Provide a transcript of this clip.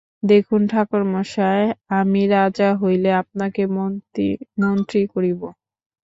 দেখুন ঠাকুরমশায়, আমি রাজা হইলে আপনাকে মন্ত্রী করিব।